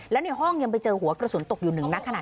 แล้วในห้องยังไปเจอหัวกระสุนตกอยู่๑คณะ